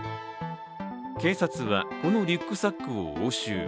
警察はこのリュックサックを押収。